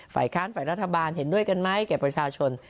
ฝ่ายค้านฝ่ายรัฐบาลเห็นด้วยกันไหมแก่ประชาชน